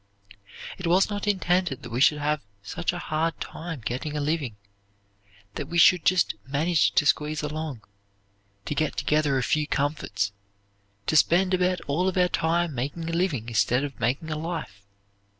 It was not intended that we should have such a hard time getting a living, that we should just manage to squeeze along, to get together a few comforts, to spend about all of our time making a living instead of making a life.